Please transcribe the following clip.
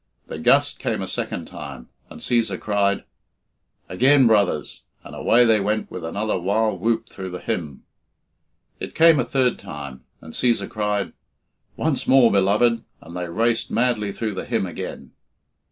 The gust came a second time, and Cæsar cried "Again, brothers," and away they went with another wild whoop through the hymn. It came a third time, and Cæsar cried "Once more, beloved," and they raced madly through the hymn again.